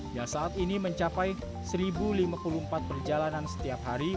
yang saat ini mencapai satu lima puluh empat perjalanan setiap hari